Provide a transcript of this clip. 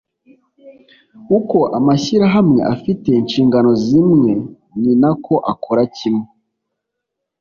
uko amashyirahamwe afite inshingano zimwe ni nako akora kimwe